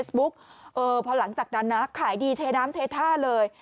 ซับขายดีเทน้ำเทท่าเลย